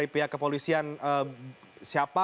pihak kepolisian siapa